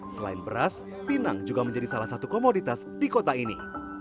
selain beras pinang juga menjadi salah satu komoditas di kota ini